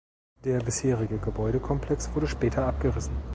Der bisherige Gebäudekomplex wurde später abgerissen.